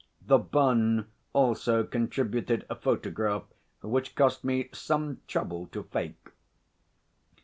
The Bun also contributed a photograph which cost me some trouble to fake.